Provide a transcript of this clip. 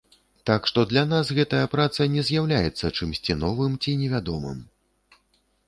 Так што для нас гэтая праца не з'яўляецца чымсьці новым ці невядомым.